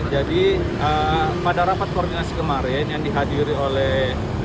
jadi pada rapat koordinasi kemarin yang dihadiri oleh